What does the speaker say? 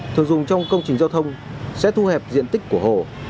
thường dùng trong công trình giao thông sẽ thu hẹp diện tích của hồ